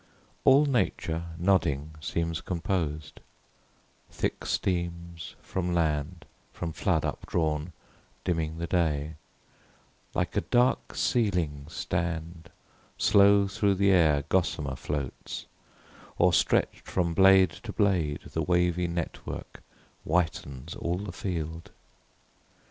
All Nature nodding seems composed: thick steams, From land, from flood up drawn, dimming the day, "Like a dark ceiling stand:" slow through the air Gossamer floats, or, stretch'd from blade to blade, The wavy net work whitens all the field.